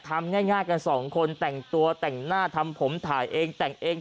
ทำง่ายกันสองคนแต่งตัวแต่งหน้าทำผมถ่ายเองแต่งเอง